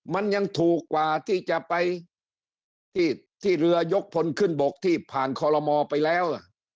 มันยังถูกกว่าที่จะไปที่เรือยกพลขึ้นบกที่ผ่านคอลโลมอลไปแล้ว